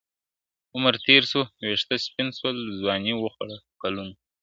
عمر تېر سو وېښته سپین سول ځواني وخوړه کلونو !.